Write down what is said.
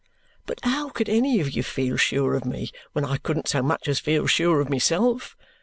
But how could any of you feel sure of me when I couldn't so much as feel sure of myself?